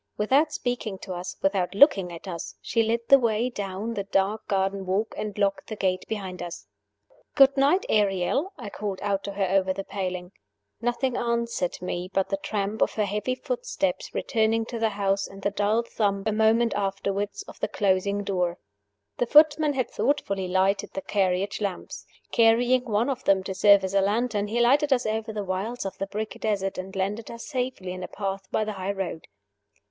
Without speaking to us, without looking at us, she led the way down the dark garden walk, and locked the gate behind us. "Good night, Ariel," I called out to her over the paling. Nothing answered me but the tramp of her heavy footsteps returning to the house, and the dull thump, a moment afterward, of the closing door. The footman had thoughtfully lighted the carriage lamps. Carrying one of them to serve as a lantern, he lighted us over the wilds of the brick desert, and landed us safely on the path by the high road.